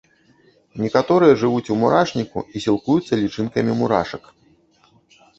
Некаторыя жывуць у мурашніку і сілкуюцца лічынкамі мурашак.